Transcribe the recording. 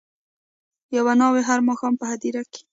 یوه ناوي هر ماښام په هدیره کي